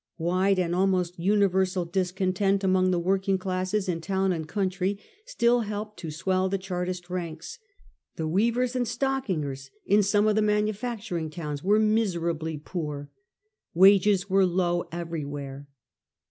Wide and almost universal discontent among the working classes in town and country still helped to swell the Chartist ranks. The weavers and stock ingers in some of the manufacturing towns were miserably poor. Wages were low everywhere.